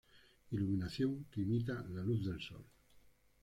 Iluminación que imita la luz del sol.